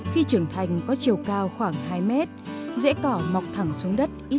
khi trưởng thành có chiều cao